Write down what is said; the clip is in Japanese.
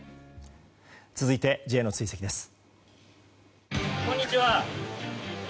続いてＪの追跡です。